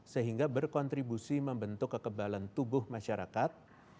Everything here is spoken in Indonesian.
sehingga berkontribusi membentuk kekebalan tubuh masyarakat